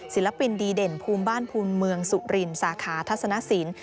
ศิลปินดีเด่นภูมิบ้านภูมิเมืองสุรินสาขาทัศนสิน